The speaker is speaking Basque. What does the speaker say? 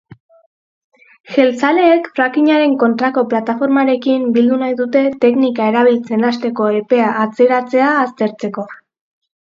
Jeltzaleek frackingaren kontrako plataformarekin bildu nahi dute teknika erabiltzen hasteko epea atzeratzea aztertzeko.